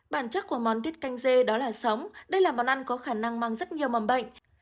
bản chất của món tiết canh dê đó là sống đây là món ăn có khả năng mang rất nhiều mầm bệnh